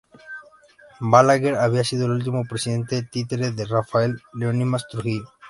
Balaguer había sido el último presidente títere de Rafael Leonidas Trujillo.